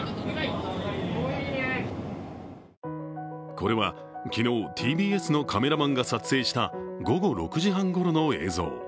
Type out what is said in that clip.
これは昨日、ＴＢＳのカメラマンが撮影した午後６時半ごろの映像。